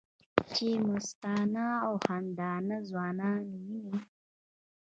چې مستانه او خندانه ځوانان وینې